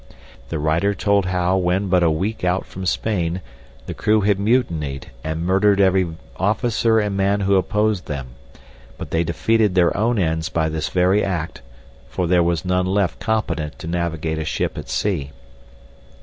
The writer told how when but a week out from Spain the crew had mutinied and murdered every officer and man who opposed them; but they defeated their own ends by this very act, for there was none left competent to navigate a ship at sea.